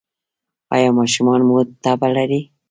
ایا ماشوم مو تبه لري؟